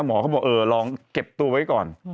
เขาบอกเออลองเก็บตัวไว้ก่อน